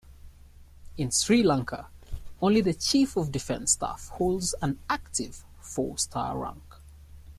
In Sri Lanka, only the Chief of Defence Staff holds an active four-star rank.